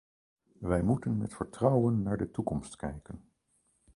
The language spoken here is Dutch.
Wij moeten met vertrouwen naar de toekomst kijken.